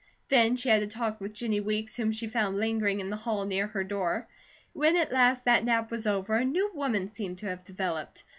Then she had a talk with Jennie Weeks whom she found lingering in the hall near her door. When at last that nap was over, a new woman seemed to have developed.